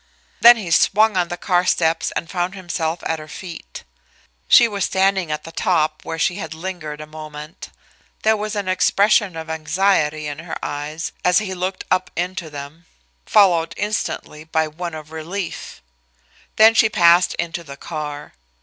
Then he swung on the car steps and found himself at her feet. She was standing at the top, where she had lingered a moment. There was an expression of anxiety, in her eyes as he looked up into them, followed instantly by one of relief. Then she passed into the car.